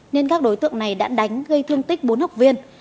nên các đối tượng này đã đánh gây thương tích bốn học viên